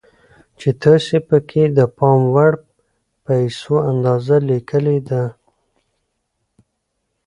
چې تاسې پکې د پام وړ پيسو اندازه ليکلې ده.